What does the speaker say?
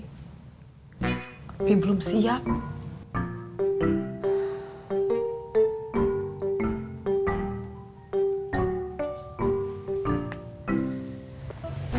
umpik belum siap